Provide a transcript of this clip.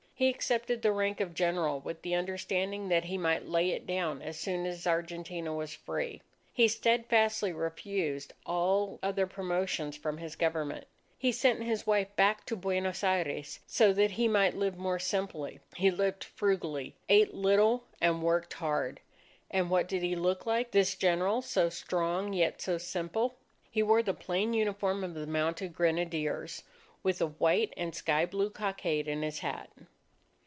He accepted the rank of general with the understanding that he might lay it down as soon as Argentina was free. He steadfastly refused all other promotions from his Government. He sent his wife back to Buenos Aires, so that he might live more simply. He lived frugally, ate little, and worked hard. And what did he look like, this General so strong yet so simple? He wore the plain uniform of the Mounted Grenadiers, with the white and sky blue cockade in his hat.